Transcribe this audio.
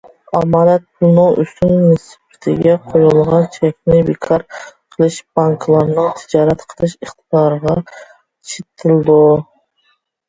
ئامانەت پۇلنىڭ ئۆسۈم نىسبىتىگە قويۇلغان چەكنى بىكار قىلىش بانكىلارنىڭ تىجارەت قىلىش ئىقتىدارىغا چېتىلىدۇ.